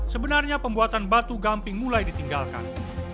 sebenarnya pembuatan batu gamping mulai ditinggalkan